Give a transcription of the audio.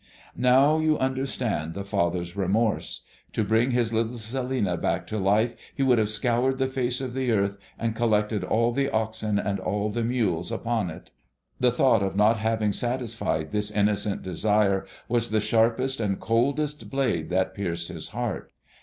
Now you understand the father's remorse. To bring his little Celinina back to life he would have scoured the face of the earth and collected all the oxen and all the mules upon it. The thought of not having satisfied this innocent desire was the sharpest and coldest blade that pierced his heart.